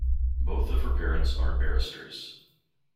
Both of her parents are barristers.